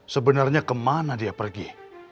sebenarnya ke mana dia pergi